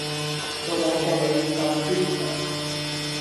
做我個女要夠堅強